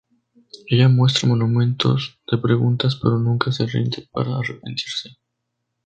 Ella muestra momentos de preguntas pero nunca se rinde para arrepentirse.